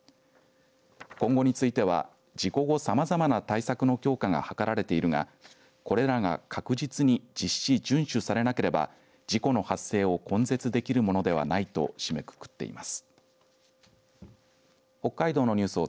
今後については事故後さまざまな対策の強化が図られているがこれらが確実に実施、順守されなければ事故の発生を根絶できるものではないと締めくくっています。